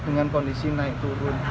dengan kondisi naik turun